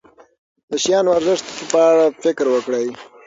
د شیانو د ارزښت په اړه فکر وکړئ.